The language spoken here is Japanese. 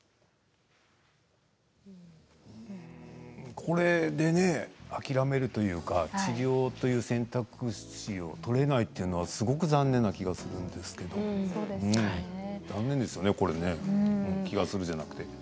これでね、諦めるというか治療という選択肢を取れないというのはすごく残念な気がするんですけど残念ですよね、これ気がするじゃなくて。